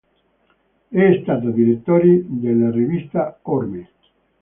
È stato direttore della rivista "Orme.